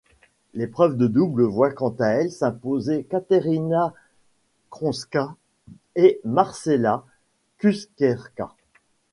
L'épreuve de double voit quant à elle s'imposer Kateřina Skronská et Marcela Skuherská.